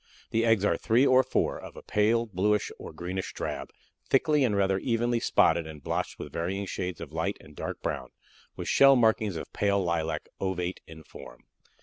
The eggs are three or four, of a pale blueish or greenish drab, thickly and rather evenly spotted and blotched with varying shades of light and dark brown, with shell markings of pale lilac, ovate in form.